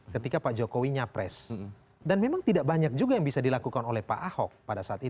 ketika pak jokowi nyapres dan memang tidak banyak juga yang bisa dilakukan oleh pak ahok pada saat itu